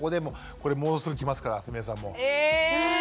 これもうすぐきますからすみれさんも。え！